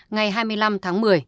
ngày hai mươi năm tháng một mươi